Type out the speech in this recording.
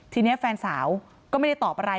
ทีนี้แฟนสาวก็ไม่ได้ตอบอะไร